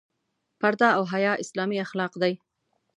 پرده او حیا اسلامي اخلاق دي.